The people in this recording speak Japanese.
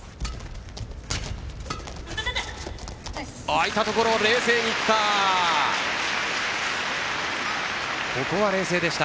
空いたところを冷静にいった。